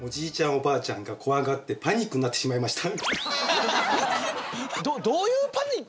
おばあちゃんが怖がってパニックになってしまいました。